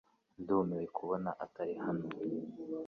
Ndumiwe kuba atari hano .